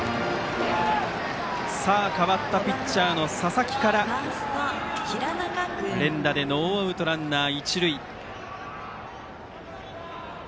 代わったピッチャーの佐々木から連打でノーアウトランナー、一塁。